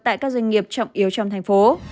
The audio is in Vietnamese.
tại các doanh nghiệp trọng yếu trong thành phố